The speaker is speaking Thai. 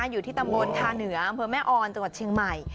อยู่ที่ตำบลทาเหนืออำเภอแม่ออนจังหวัดเชียงใหม่